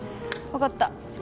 分かった。